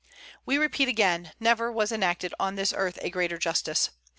We repeat again, never was enacted on this earth a greater injustice.